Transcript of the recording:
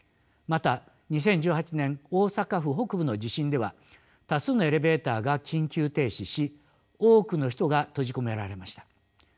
また２０１８年大阪府北部の地震では多数のエレベーターが緊急停止し多くの人が閉じ込められました。